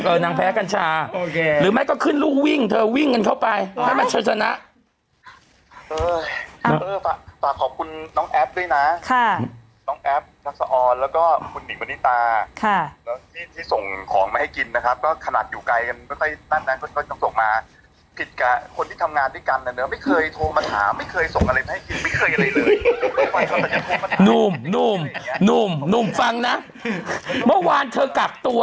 เออนางแพ้กัญชาหรือไม่ก็ขึ้นลูกวิ่งเธอวิ่งกันเข้าไปให้มันชนสนัก